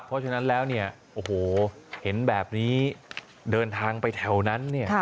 เพราะฉะนั้นแล้วเนี่ยโอ้โหเห็นแบบนี้เดินทางไปแถวนั้นเนี่ย